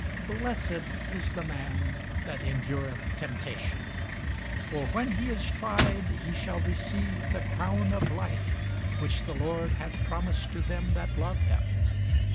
Blessed is the man that endureth temptation: for when he is tried, he shall receive the crown of life, which the Lord hath promised to them that love him.